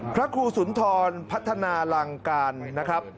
พระคุณศูนย์ทรณพัฒนารางการนะครับ